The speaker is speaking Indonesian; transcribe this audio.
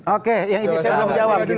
oke yang ini saya belum jawab